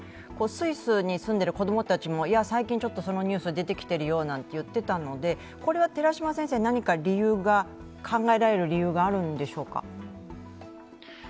スイスに住んでる子供たちも最近そのニュース出てきているよなんて言っていたので、これは何か考えられる理由があるんでしょうか。